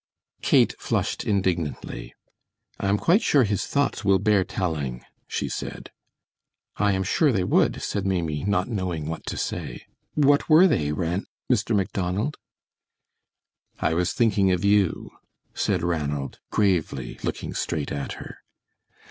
Kate flushed indignantly. "I am quite sure his thoughts will bear telling," she said. "I am sure they would," said Maimie, not knowing what to say. "What were they, Ran Mr. Macdonald?" "I was thinking of you," said Ranald, gravely, looking straight at her.